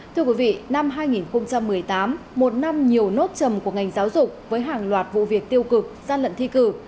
thưa quý vị năm hai nghìn một mươi tám một năm nhiều nốt trầm của ngành giáo dục với hàng loạt vụ việc tiêu cực gian lận thi cử